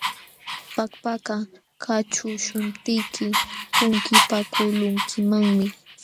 Pakpaka kaćhuqśhuptiyki punkipakuqlunkimanmi.